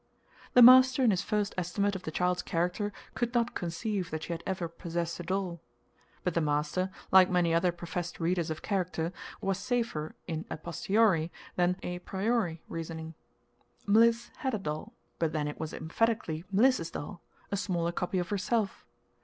The master in his first estimate of the child's character could not conceive that she had ever possessed a doll. But the master, like many other professed readers of character, was safer in a posteriori than a priori reasoning. Mliss had a doll, but then it was emphatically Mliss's doll a smaller copy of herself.